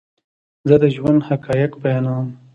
زه دژوند حقایق بیانوم